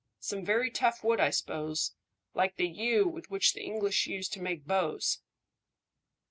"Some very tough wood, I suppose, like the yew with which the English used to make bows."